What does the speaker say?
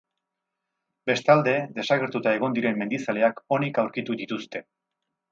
Bestalde, desagertuta egon diren mendizaleak onik aurkitu dituzte.